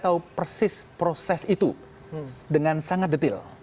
dan proses itu dengan sangat detail